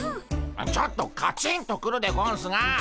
ちょっとカチンとくるでゴンスが。